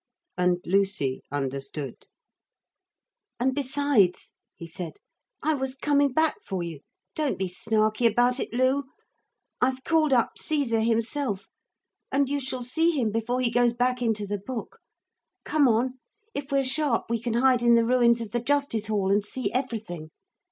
And Lucy understood. 'And besides,' he said, 'I was coming back for you. Don't be snarky about it, Lu. I've called up Caesar himself. And you shall see him before he goes back into the book. Come on; if we're sharp we can hide in the ruins of the Justice Hall and see everything.